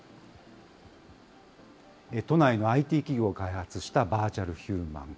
都内のＩＴ企業が開発したバーチャルヒューマン。